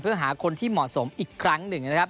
เพื่อหาคนที่เหมาะสมอีกครั้งหนึ่งนะครับ